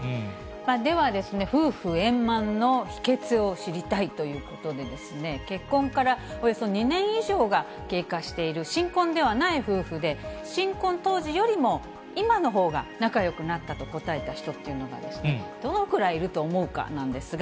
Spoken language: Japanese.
では、夫婦円満の秘けつを知りたいということで、結婚からおよそ２年以上が経過している新婚ではない夫婦で、新婚当時よりも、今のほうが仲よくなったと答えた人っていうのが、どのくらいいると思うかなんですが。